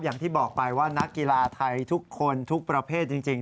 อย่างที่บอกไปว่านักกีฬาไทยทุกคนทุกประเภทจริง